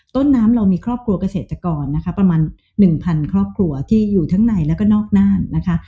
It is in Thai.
ต้นน้ำเรามีครอบครัวเกษตรกรนะคะประมาณ๑๐๐ครอบครัวที่อยู่ทั้งในแล้วก็นอกน่านนะคะ